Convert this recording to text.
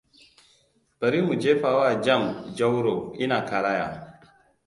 Bari mu jefa wa jam Jauroi na karaya.